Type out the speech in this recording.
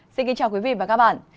xin kính chào quý vị và các bạn